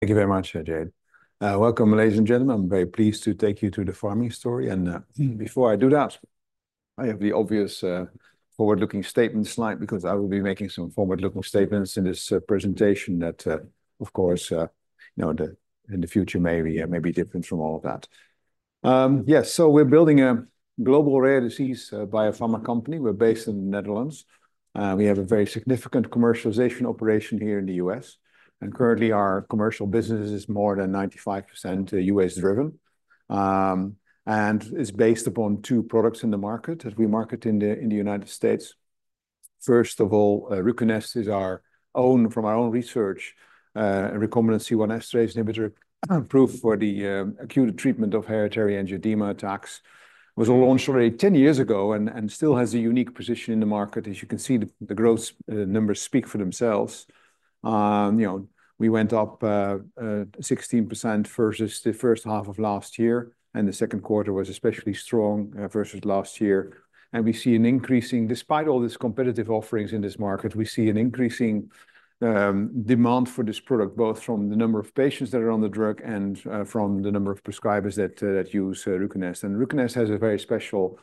Thank you very much, Jade. Welcome, ladies and gentlemen. I'm very pleased to take you through the Pharming story, and before I do that, I have the obvious forward-looking statement slide, because I will be making some forward-looking statements in this presentation that of course you know in the future may be different from all of that. Yes, so we're building a global rare disease biopharma company. We're based in the Netherlands. We have a very significant commercialization operation here in the U.S., and currently, our commercial business is more than 95% U.S.-driven, and it's based upon two products in the market that we market in the United States. First of all, Ruconest is our own, from our own research, a recombinant C1 esterase inhibitor, approved for the acute treatment of hereditary angioedema attacks. It was launched already ten years ago and still has a unique position in the market. As you can see, the growth numbers speak for themselves. You know, we went up 16% versus the first half of last year, and the second quarter was especially strong versus last year. And we see an increasing... Despite all these competitive offerings in this market, we see an increasing demand for this product, both from the number of patients that are on the drug and from the number of prescribers that use Ruconest. And Ruconest has a very special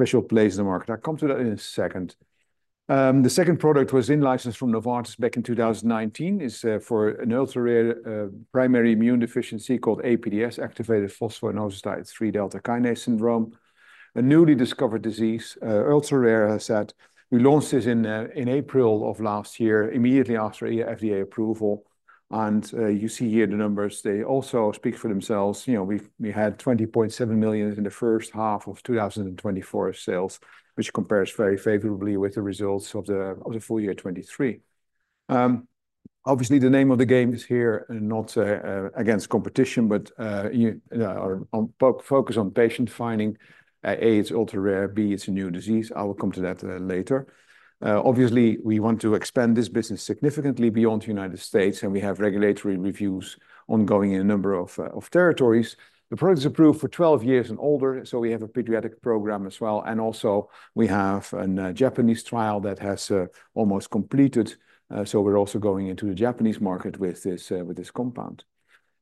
place in the market. I'll come to that in a second. The second product was in-licensed from Novartis back in 2019. It's for an ultra-rare primary immune deficiency called APDS, activated phosphoinositide 3-kinase delta syndrome, a newly discovered disease, ultra-rare, as I said. We launched this in in April of last year, immediately after FDA approval. You see here the numbers, they also speak for themselves. You know, we had $20.7 million in the first half of 2024 sales, which compares very favorably with the results of the full year 2023. Obviously, the name of the game is here and not against competition, but your focus on patient finding. A, it's ultra-rare, B, it's a new disease. I will come to that later. Obviously, we want to expand this business significantly beyond the United States, and we have regulatory reviews ongoing in a number of territories. The product is approved for 12 years and older, so we have a pediatric program as well, and also we have a Japanese trial that has almost completed. So we're also going into the Japanese market with this compound.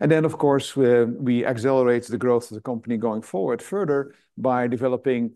And then, of course, we accelerate the growth of the company going forward further by developing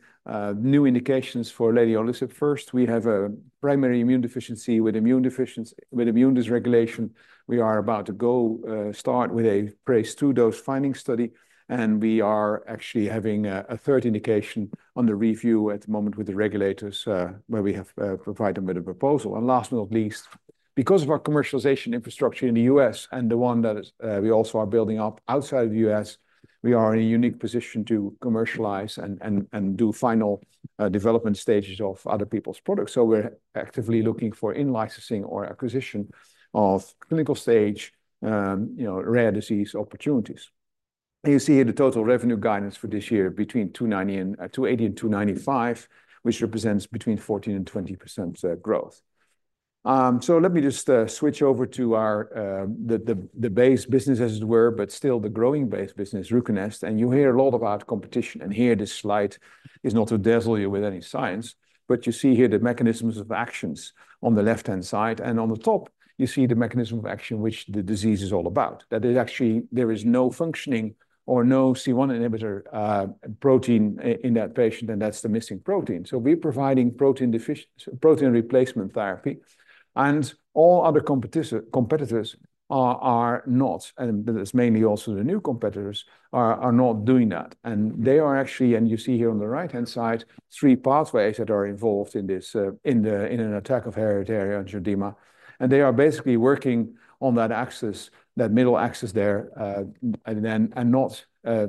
new indications for leniolisib. First, we have a primary immune deficiency with immune dysregulation. We are about to start with a phase II dose-finding study, and we are actually having a third indication under review at the moment with the regulators, where we have provided them with a proposal. And last but not least, because of our commercialization infrastructure in the U.S. and the one that we also are building up outside of the U.S., we are in a unique position to commercialize and do final development stages of other people's products. So we're actively looking for in-licensing or acquisition of clinical-stage, you know, rare disease opportunities. You see the total revenue guidance for this year between $280 million and $295 million, which represents between 14% and 20% growth. So let me just switch over to the base business, as it were, but still the growing base business, Ruconest. And you hear a lot about competition, and here this slide is not to dazzle you with any science, but you see here the mechanisms of actions on the left-hand side, and on the top, you see the mechanism of action, which the disease is all about. That is actually there is no functioning or no C1 inhibitor protein in that patient, and that's the missing protein. So we're providing protein replacement therapy, and all other competitors are not, and that's mainly also the new competitors are not doing that. They are actually, and you see here on the right-hand side, three pathways that are involved in this, in an attack of hereditary angioedema, and they are basically working on that axis, that middle axis there, and not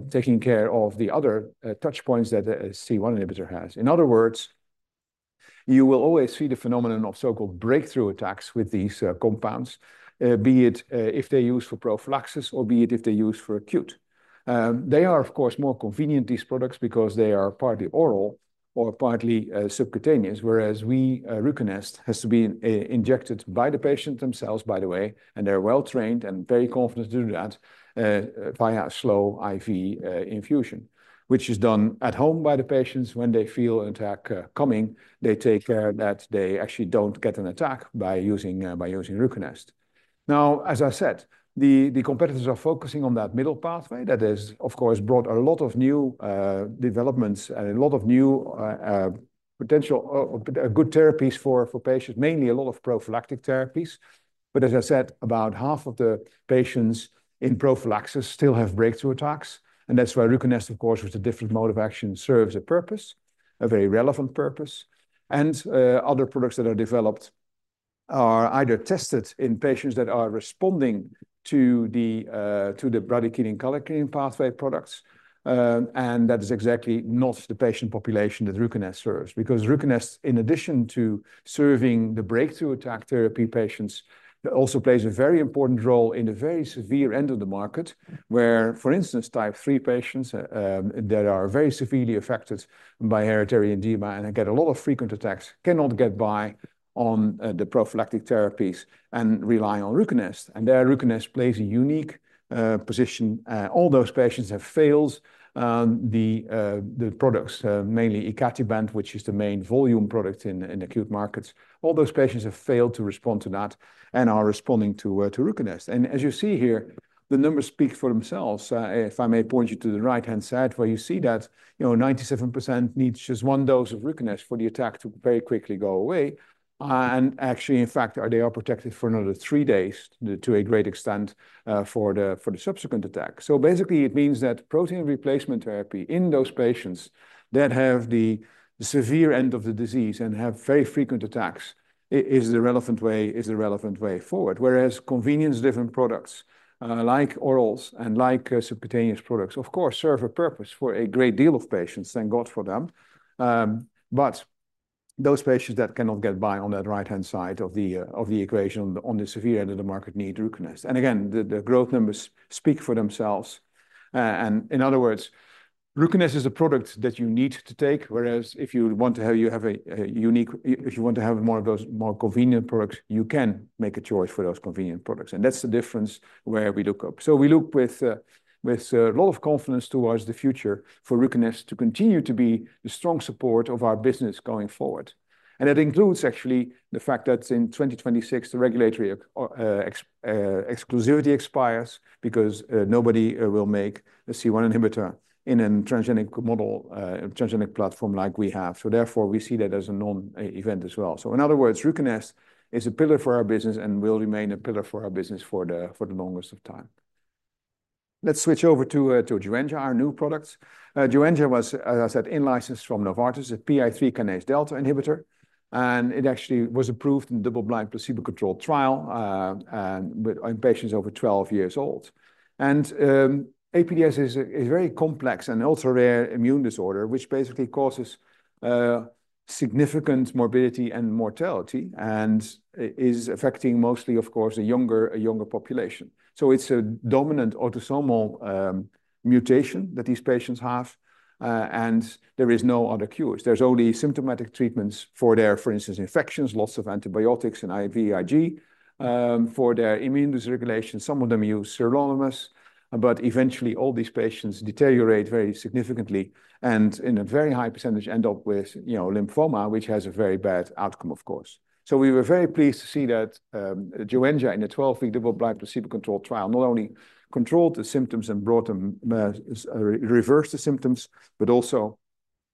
taking care of the other touchpoints that a C1 inhibitor has. In other words, you will always see the phenomenon of so-called breakthrough attacks with these compounds, be it if they're used for prophylaxis or be it if they're used for acute. They are, of course, more convenient, these products, because they are partly oral or partly subcutaneous, whereas our Ruconest has to be injected by the patient themselves, by the way, and they're well-trained and very confident to do that via a slow IV infusion, which is done at home by the patients. When they feel an attack coming, they take care that they actually don't get an attack by using Ruconest. Now, as I said, the competitors are focusing on that middle pathway. That has, of course, brought a lot of new developments and a lot of new potential good therapies for patients, mainly a lot of prophylactic therapies. But as I said, about half of the patients in prophylaxis still have breakthrough attacks, and that's why Ruconest, of course, with a different mode of action, serves a purpose, a very relevant purpose, and other products that are developed are either tested in patients that are responding to the bradykinin, kallikrein pathway products, and that is exactly not the patient population that Ruconest serves. Because Ruconest, in addition to serving the breakthrough attack therapy patients, it also plays a very important role in the very severe end of the market, where, for instance, Type III patients that are very severely affected by hereditary angioedema and get a lot of frequent attacks, cannot get by on the prophylactic therapies and rely on Ruconest, and there, Ruconest plays a unique position. All those patients have failed the products, mainly icatibant, which is the main volume product in acute markets. All those patients have failed to respond to that and are responding to Ruconest. And as you see here, the numbers speak for themselves. If I may point you to the right-hand side, where you see that, you know, 97% needs just one dose of Ruconest for the attack to very quickly go away. Actually, in fact, they are protected for another three days to a great extent, for the subsequent attack. Basically, it means that protein replacement therapy in those patients that have the severe end of the disease and have very frequent attacks is the relevant way forward. Whereas convenience-driven products like orals and like subcutaneous products of course serve a purpose for a great deal of patients, thank God for them. Those patients that cannot get by on that right-hand side of the equation on the severe end of the market need Ruconest. Again, the growth numbers speak for themselves. In other words, Ruconest is a product that you need to take, whereas if you want to have... If you want to have more of those more convenient products, you can make a choice for those convenient products. And that's the difference where we look up. So we look with a lot of confidence towards the future for Ruconest to continue to be the strong support of our business going forward. And that includes actually the fact that in 2026, the regulatory exclusivity expires because nobody will make a C1 inhibitor in a transgenic model, transgenic platform like we have. So therefore, we see that as a non-event as well. So in other words, Ruconest is a pillar for our business and will remain a pillar for our business for the longest of time. Let's switch over to Joenja, our new product. Joenja was, as I said, in-licensed from Novartis, a PI 3-kinase delta inhibitor, and it actually was approved in double-blind, placebo-controlled trial, and on patients over 12 years old. APDS is a very complex and ultra-rare immune disorder, which basically causes significant morbidity and mortality and is affecting mostly, of course, a younger population. So it's a dominant autosomal mutation that these patients have, and there is no other cures. There's only symptomatic treatments for their, for instance, infections, lots of antibiotics and IVIG. For their immune dysregulation, some of them use sirolimus, but eventually, all these patients deteriorate very significantly, and in a very high percentage, end up with, you know, lymphoma, which has a very bad outcome, of course. So we were very pleased to see that, Joenja, in a twelve-week, double-blind, placebo-controlled trial, not only controlled the symptoms and brought them, reversed the symptoms, but also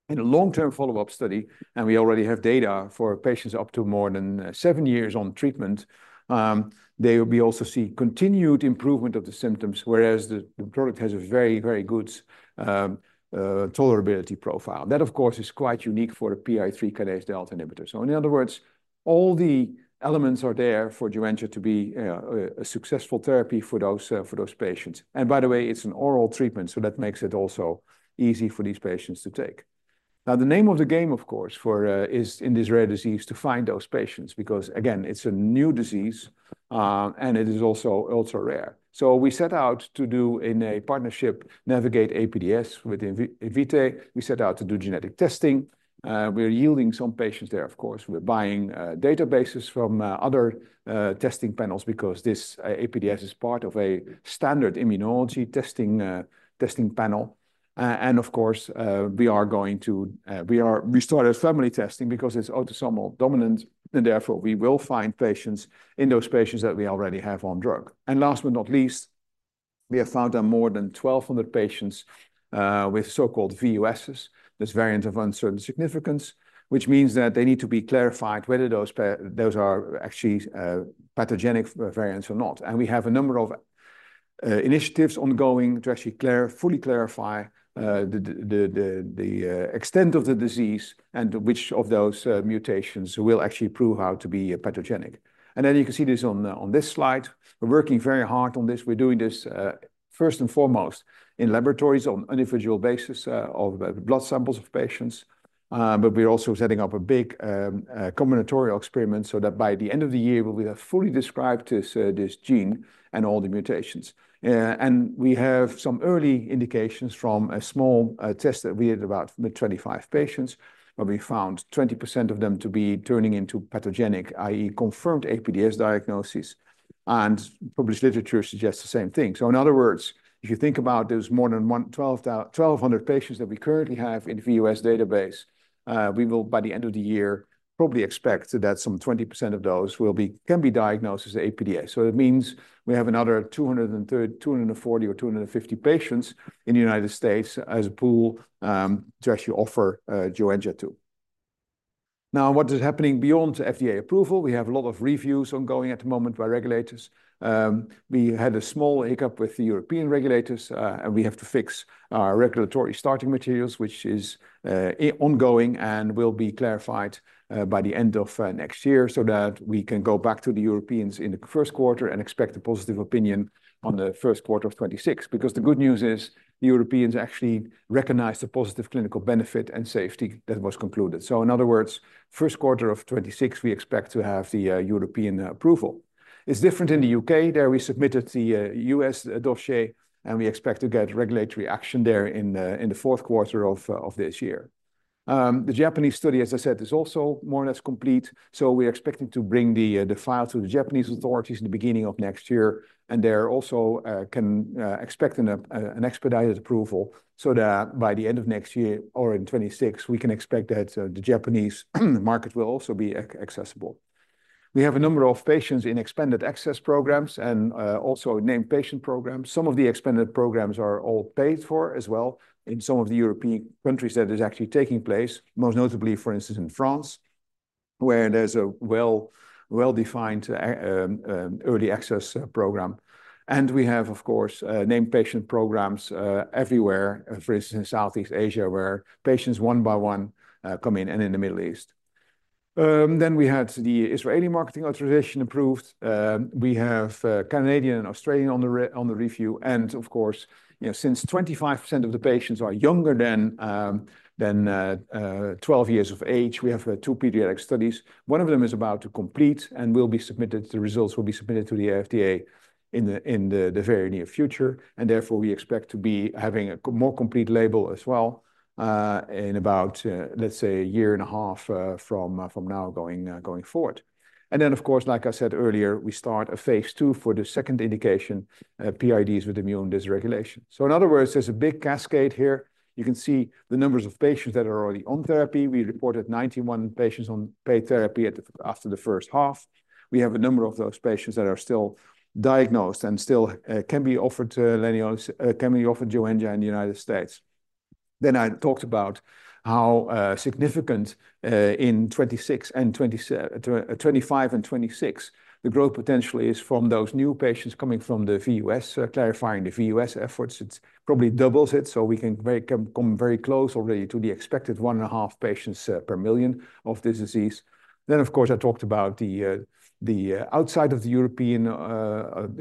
in a long-term follow-up study, and we already have data for patients up to more than seven years on treatment, there we also see continued improvement of the symptoms, whereas the product has a very, very good, tolerability profile. That, of course, is quite unique for a PI 3-kinase delta inhibitor. So in other words, all the elements are there for Joenja to be, a successful therapy for those, for those patients. And by the way, it's an oral treatment, so that makes it also easy for these patients to take. Now, the name of the game, of course, for, is in this rare disease, to find those patients, because, again, it's a new disease, and it is also ultra-rare. So we set out to do in a partnership, Navigate APDS, with Invitae. We set out to do genetic testing. We're yielding some patients there, of course. We're buying, databases from, other, testing panels because this APDS is part of a standard immunology testing, testing panel. And of course, we started family testing because it's autosomal dominant, and therefore, we will find patients in those patients that we already have on drug. Last but not least, we have found that more than 1,200 patients with so-called VUSs, this Variant of Uncertain Significance, which means that they need to be clarified whether those are actually pathogenic variants or not. We have a number of initiatives ongoing to actually clear, fully clarify the extent of the disease and which of those mutations will actually prove how to be pathogenic. Then you can see this on this slide. We're working very hard on this. We're doing this first and foremost in laboratories on individual basis of blood samples of patients. But we're also setting up a big combinatorial experiment so that by the end of the year, we will have fully described this gene and all the mutations. And we have some early indications from a small test that we did with about 25 patients, where we found 20% of them to be turning into pathogenic, i.e., confirmed APDS diagnosis, and published literature suggests the same thing. So in other words, if you think about those more than 1,200 patients that we currently have in VUS database, we will, by the end of the year, probably expect that some 20% of those can be diagnosed as APDS. So it means we have another 240 or 250 patients in the United States as a pool to actually offer Joenja to. Now, what is happening beyond FDA approval? We have a lot of reviews ongoing at the moment by regulators. We had a small hiccup with the European regulators, and we have to fix our regulatory starting materials, which is ongoing and will be clarified by the end of next year, so that we can go back to the Europeans in the first quarter and expect a positive opinion on the first quarter of 2026. Because the good news is, the Europeans actually recognize the positive clinical benefit and safety that was concluded. So in other words, first quarter of 2026, we expect to have the European approval. It's different in the U.K. There, we submitted the U.S. dossier, and we expect to get regulatory action there in the fourth quarter of this year. The Japanese study, as I said, is also more or less complete, so we're expecting to bring the file to the Japanese authorities in the beginning of next year, and there also can expect an expedited approval so that by the end of next year or in 2026, we can expect that the Japanese market will also be accessible. We have a number of patients in expanded access programs and also named patient programs. Some of the expanded programs are all paid for as well in some of the European countries that is actually taking place, most notably, for instance, in France, where there's a well-defined early access program. We have, of course, named patient programs everywhere, for instance, in Southeast Asia, where patients one by one come in, and in the Middle East. Then we had the Israeli marketing authorization approved. We have Canadian and Australian on the review. And of course, you know, since 25% of the patients are younger than 12 years of age, we have two pediatric studies. One of them is about to complete and the results will be submitted to the FDA in the very near future, and therefore, we expect to be having a more complete label as well in about, let's say, a year and a half, from now going forward. Then, of course, like I said earlier, we start a phase two for the second indication, PIDs with immune dysregulation. In other words, there's a big cascade here. You can see the numbers of patients that are already on therapy. We reported ninety-one patients on leniolisib therapy after the first half. We have a number of those patients that are still undiagnosed and still can be offered Joenja in the United States. I talked about how significant in 2025 and 2026 the growth potentially is from those new patients coming from the VUS, clarifying the VUS efforts. It probably doubles it, so we can come very close already to the expected one and a half patients per million of this disease. Then, of course, I talked about the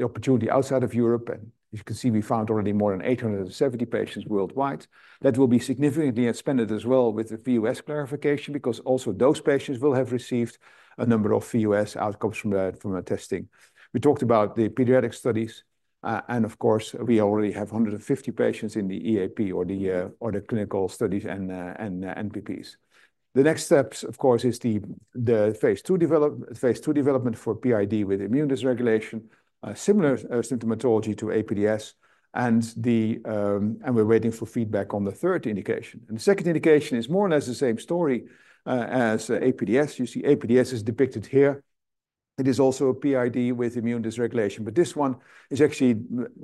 opportunity outside of Europe, and you can see we found already more than 870 patients worldwide. That will be significantly expanded as well with the VUS clarification, because also those patients will have received a number of VUS outcomes from the testing. We talked about the pediatric studies, and of course, we already have 150 patients in the EAP or the clinical studies and NPPs. The next steps, of course, is the phase 2 development for PID with immune dysregulation, similar symptomatology to APDS, and we're waiting for feedback on the third indication, and the second indication is more or less the same story as APDS. You see, APDS is depicted here. It is also a PID with immune dysregulation, but this one is actually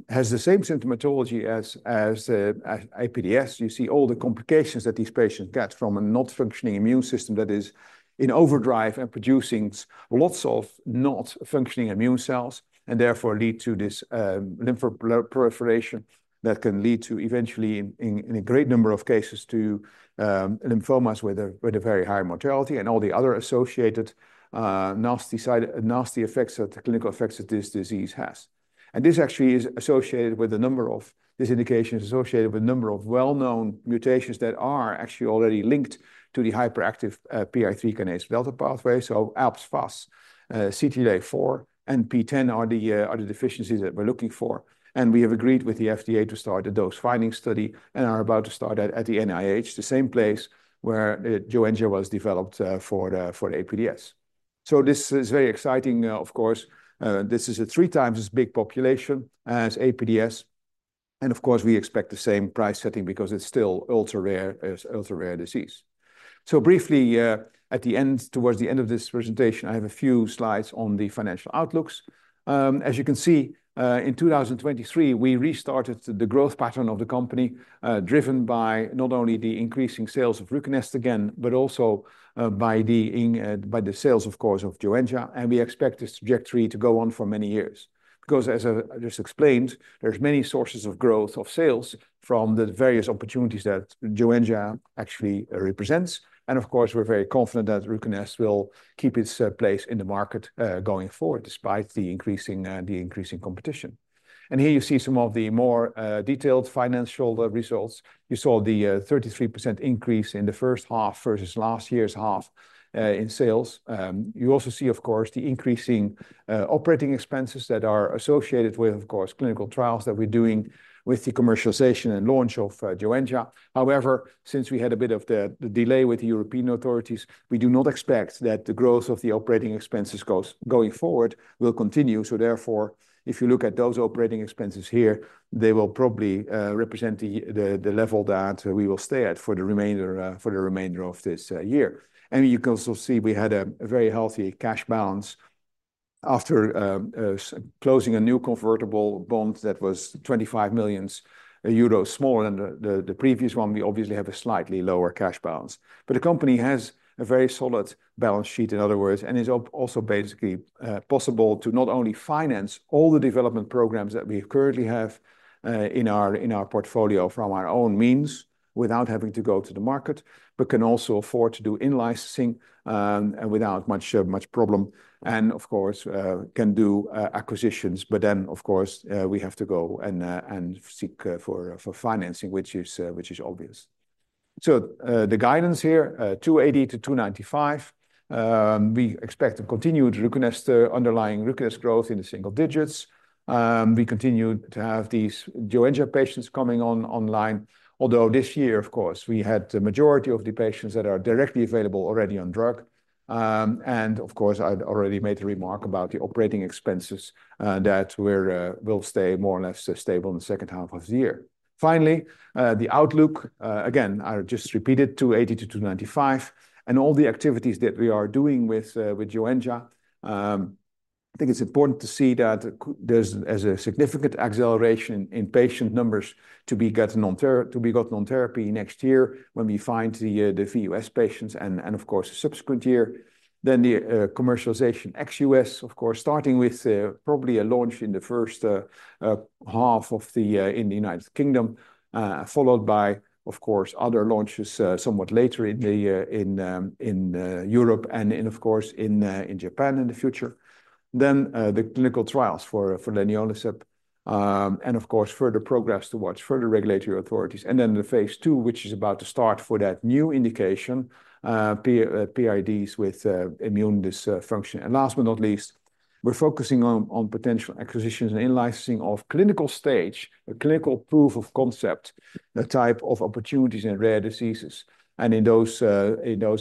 has the same symptomatology as APDS. You see all the complications that these patients get from a not functioning immune system that is in overdrive and producing lots of not functioning immune cells, and therefore lead to this lymphoproliferation that can lead to eventually in a great number of cases to lymphomas with a very high mortality and all the other associated nasty side effects of the clinical effects that this disease has. This indication is associated with a number of well-known mutations that are actually already linked to the hyperactive PI3 kinase delta pathway. So ALPS, FAS, CTLA-4, and PTEN are the deficiencies that we're looking for. And we have agreed with the FDA to start a dose-finding study and are about to start at the NIH, the same place where Joenja was developed for the APDS. So this is very exciting. Of course, this is a three times as big population as APDS, and of course, we expect the same price setting because it's still ultra-rare, it's ultra-rare disease. So briefly, at the end, towards the end of this presentation, I have a few slides on the financial outlooks. As you can see, in 2023, we restarted the growth pattern of the company, driven by not only the increasing sales of Ruconest again, but also by the sales, of course, of Joenja, and we expect this trajectory to go on for many years. Because as I just explained, there's many sources of growth of sales from the various opportunities that Joenja actually represents. And of course, we're very confident that Ruconest will keep its place in the market going forward, despite the increasing competition. And here you see some of the more detailed financial results. You saw the 33% increase in the first half versus last year's half in sales. You also see, of course, the increasing operating expenses that are associated with, of course, clinical trials that we're doing with the commercialization and launch of Joenja. However, since we had a bit of the delay with the European authorities, we do not expect that the growth of the operating expenses going forward will continue. So therefore, if you look at those operating expenses here, they will probably represent the level that we will stay at for the remainder of this year. And you can also see we had a very healthy cash balance. After closing a new convertible bond that was 25 million euros smaller than the previous one, we obviously have a slightly lower cash balance. But the company has a very solid balance sheet, in other words, and is also basically possible to not only finance all the development programs that we currently have in our portfolio from our own means without having to go to the market, but can also afford to do in-licensing, and without much problem, and of course can do acquisitions. But then, of course, we have to go and seek for financing, which is obvious. So, the guidance here $280-$295. We expect a continued Ruconest underlying Ruconest growth in the single digits. We continue to have these Joenja patients coming online, although this year, of course, we had the majority of the patients that are directly available already on drug. And of course, I'd already made a remark about the operating expenses that will stay more or less stable in the second half of the year. Finally, the outlook, again, I'll just repeat it, $280-$295, and all the activities that we are doing with Joenja. I think it's important to see that there's a significant acceleration in patient numbers to be gotten on therapy next year when we find the VUS patients and, of course, the subsequent year. Then the commercialization ex U.S., of course, starting with probably a launch in the first half of the year in the United Kingdom, followed by, of course, other launches somewhat later in Europe and in, of course, in Japan in the future. Then the clinical trials for leniolisib and of course further progress with other regulatory authorities. And then the phase II, which is about to start for that new indication, PIDs with immune dysfunction. And last but not least, we're focusing on potential acquisitions and in-licensing of clinical stage clinical proof of concept type of opportunities in rare diseases, and in those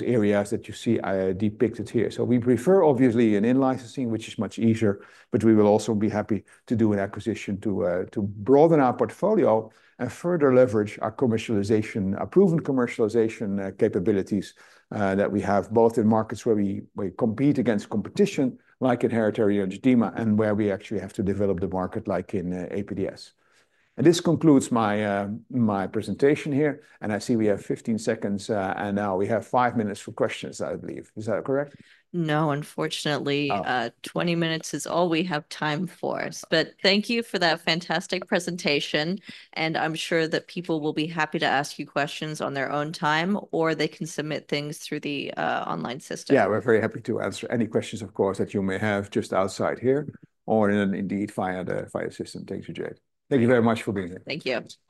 areas that you see I depicted here. We prefer, obviously, an in-licensing, which is much easier, but we will also be happy to do an acquisition to broaden our portfolio and further leverage our commercialization, our proven commercialization capabilities that we have, both in markets where we compete against competition, like in hereditary angioedema, and where we actually have to develop the market, like in APDS. This concludes my presentation here, and I see we have fifteen seconds, and now we have five minutes for questions, I believe. Is that correct? No, unfortunately- Oh.... 20 minutes is all we have time for. Oh. But thank you for that fantastic presentation, and I'm sure that people will be happy to ask you questions on their own time, or they can submit things through the online system. Yeah, we're very happy to answer any questions, of course, that you may have just outside here or indeed via the IR system. Thank you, Jade. Thank you very much for being here. Thank you.